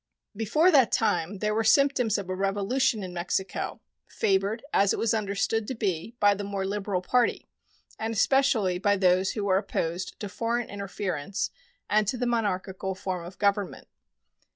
Before that time there were symptoms of a revolution in Mexico, favored, as it was understood to be, by the more liberal party, and especially by those who were opposed to foreign interference and to the monarchical form of government.